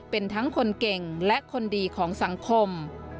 เป็นทั้งคนเก่งและคนดีของสังคม